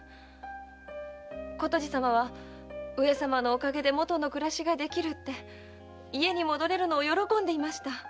琴路様は上様のお陰でもとの暮らしができるって家に戻れるのを喜んでいました。